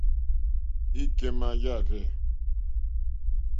Ìkémà yàrzɛ̂.